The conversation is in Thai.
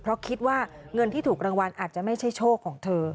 เพราะคิดว่าเงินที่ถูกรางวัลอาจจะไม่ใช่โชคของเธอ